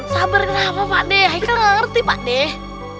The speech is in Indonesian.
sabar kenapa pak deh haikal gak ngerti pak deh